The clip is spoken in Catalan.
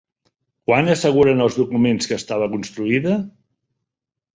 Quan asseguren els documents que estava construïda?